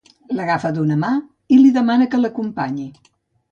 L'agafa d'una mà i li demana que l'acompanyi.